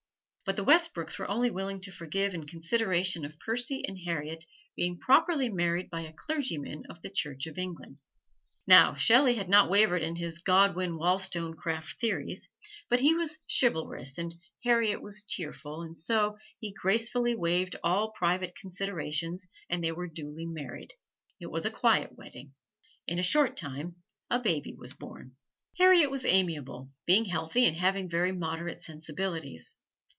But the Westbrooks were only willing to forgive in consideration of Percy and Harriet being properly married by a clergyman of the Church of England. Now, Shelley had not wavered in his Godwin Wollstonecraft theories, but he was chivalrous and Harriet was tearful, and so he gracefully waived all private considerations and they were duly married. It was a quiet wedding. In a short time a baby was born. Harriet was amiable, being healthy and having very moderate sensibilities.